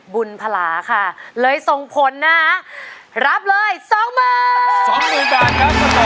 พลพลาค่ะเลยส่งผลนะคะรับเลยสองหมื่นสองหมื่นบาทครับ